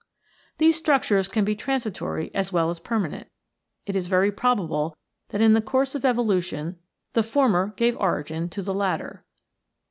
These structures can be transitory as well as permanent. It is very probable that in the course of evolution the former gave origin to the latter.